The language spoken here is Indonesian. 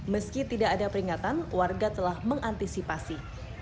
meski tidak ada peringatan warga telah mengantisipasi